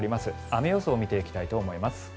雨予想を見ていきたいと思います。